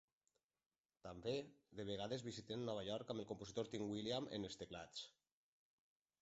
També, de vegades visiten Nova York amb el compositor Tim William en els teclats.